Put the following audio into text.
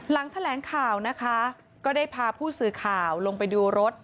หลังแถลงข่าวนะคะก็ได้พาผู้สื่อข่าวลงไปดูรถ